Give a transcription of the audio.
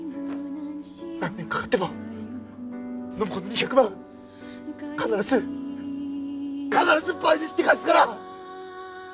何年かかっても暢子の２００万必ず必ず倍にして返すから！